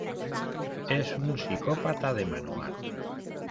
Es un psicópata de manual.